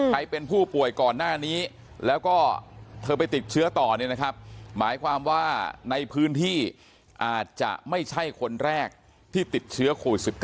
ใครเป็นผู้ป่วยก่อนหน้านี้แล้วก็เธอไปติดเชื้อต่อเนี่ยนะครับหมายความว่าในพื้นที่อาจจะไม่ใช่คนแรกที่ติดเชื้อโควิด๑๙